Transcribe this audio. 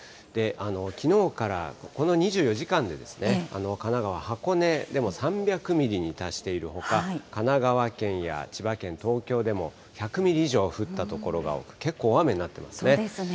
きのうからこの２４時間で、神奈川・箱根でも３００ミリに達しているほか、神奈川県や千葉県、東京でも１００ミリ以上降った所が多く、結構、大雨になっていまそうですね。